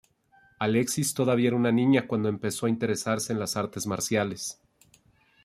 Alexis todavía era una niña cuando empezó a interesarse en las artes marciales.